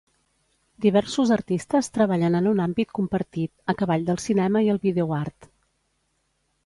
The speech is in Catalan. Diversos artistes treballen en un àmbit compartit, a cavall del cinema i el videoart.